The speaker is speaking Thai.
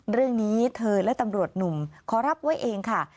เรื่องนี้เธอและตำรวจหนุ่มขอรับไว้เองค่ะ